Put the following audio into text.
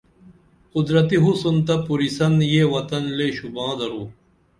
قُدرتی حسن تہ پُرِسن یہ وطن لے شوبان درو